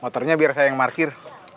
motonya biar saya yang markir